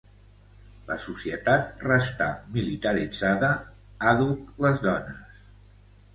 La societat restà militaritzada, àdhuc les dones.